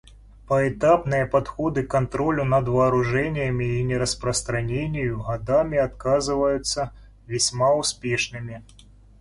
Поэтапные подходы к контролю над вооружениями и нераспространению годами оказываются весьма успешными.